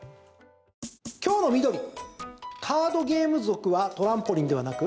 今日の緑、カードゲーム族はトランポリンではなく？